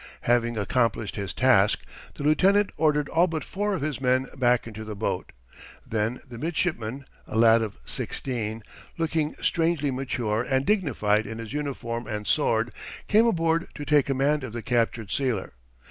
Having accomplished his task, the lieutenant ordered all but four of his men back into the boat. Then the midshipman, a lad of sixteen, looking strangely mature and dignified in his uniform and sword, came aboard to take command of the captured sealer.